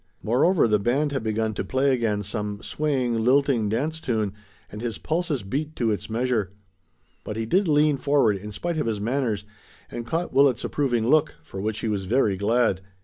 Moreover, the band had begun to play again some swaying, lilting dance tune, and his pulses beat to its measure. But he did lean forward, in spite of his manners, and caught Willet's approving look, for which he was very glad.